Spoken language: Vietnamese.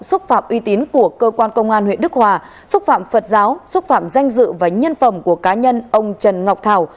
xúc phạm uy tín của cơ quan công an huyện đức hòa xúc phạm phật giáo xúc phạm danh dự và nhân phẩm của cá nhân ông trần ngọc thảo